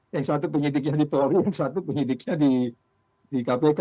yang satu penyidiknya di polri yang satu penyidiknya di kpk